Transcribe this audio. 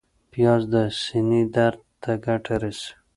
پیاز د سینې درد ته ګټه رسوي